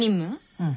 うん。